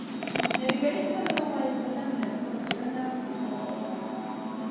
نبي کريم ص له خپل زړه نه فتوا وغوښته.